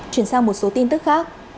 chuyển sang một số tin tức khác